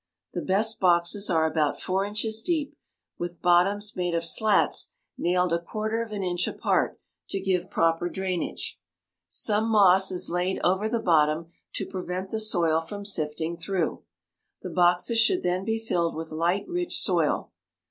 The best boxes are about four inches deep with bottoms made of slats nailed a quarter of an inch apart to give proper drainage. Some moss is laid over the bottom to prevent the soil from sifting through. The boxes should then be filled with light, rich soil.